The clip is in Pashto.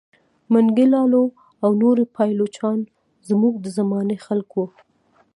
منګی لالو او نور پایلوچان زموږ د زمانې خلک وه.